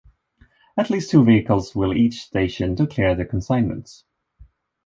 At least two vehicles will each station to clear the consignments.